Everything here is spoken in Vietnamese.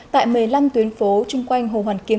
tại một mươi năm tuyến phố chung quanh hồ hoàn kiếm